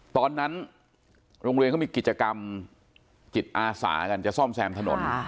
ตอนนั้นโรงเรียนเขามีกิจกรรมจิตอาสากันจะซ่อมแซมถนน